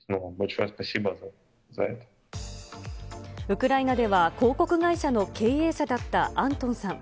ウクライナでは、広告会社の経営者だったアントンさん。